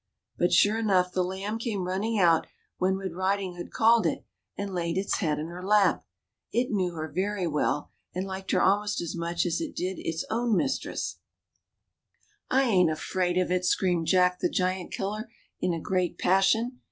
But sure enough, the Lamb came running out when Red Riding hood called it, and laid its head in her lap ; it knew her very well, and liked her almost as much as it did its own mistress. 24 THE CHILDREN'S WONDER BOOK. " I ain't afraid of it !" screamed Jack the Giant killer, in a great passion.